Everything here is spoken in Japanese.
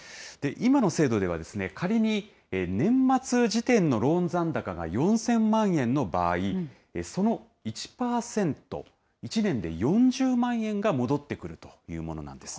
今の制度では、仮に年末時点のローン残高が４０００万円の場合、その１％、１年で４０万円が戻ってくるというものなんです。